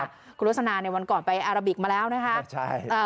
คุณโรสนาเนี่ยวันก่อนไปอาราบิกมาแล้วนะคะ